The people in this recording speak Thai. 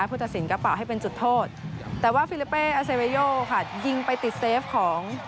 ผู้จัดสินกระเป๋าให้เป็นจุดโทษแต่ว่าค่ะยิงไปติดเซฟของ